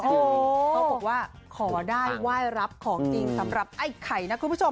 เขาบอกว่าขอได้ไหว้รับของจริงสำหรับไอ้ไข่นะคุณผู้ชม